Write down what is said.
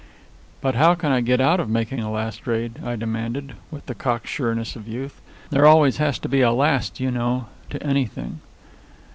"But how can I get out of making a last raid?" I demanded, with the cocksureness of youth. "There always has to be a last, you know, to anything."